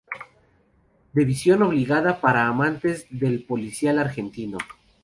De visión obligada para amantes del policial argentino.